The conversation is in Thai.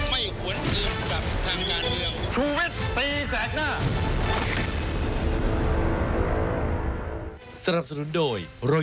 ไม่หวนอื่นกับทางงานเดียว